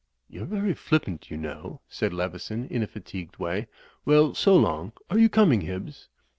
"You're very flippant, you know," said Leveson, in a fatigued way. "Well, so long. Are you coming, Hibbs?"